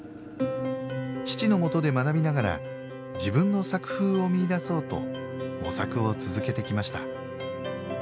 父のもとで学びながら自分の作風を見いだそうと模索を続けてきました。